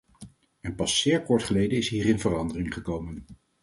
En pas zeer kort geleden is hierin verandering gekomen.